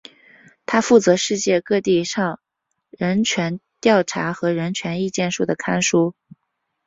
它负责世界各地人权调查和人权意见书的刊布。